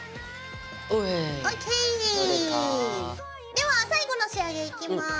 では最後の仕上げいきます。